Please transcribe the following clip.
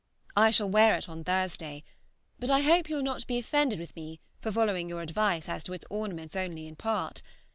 I shall wear it on Thursday, but I hope you will not be offended with me for following your advice as to its ornaments only in part.